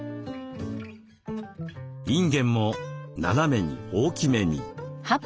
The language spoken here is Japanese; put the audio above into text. いんげんも斜めに大きめに。